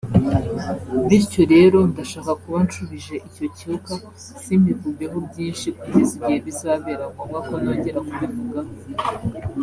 bityo rero ndashaka kuba ncubije icyo cyuka simbivugeho byinshi kugeza igihe bizabera ngombwa ko nongera kubivugaho